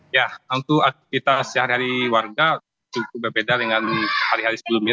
ya tentu aktivitas sehari hari warga cukup berbeda dengan hari hari sebelumnya